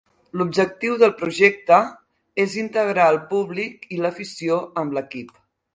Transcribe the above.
L'objectiu del projecte és integrar al públic i l'afició amb l'equip.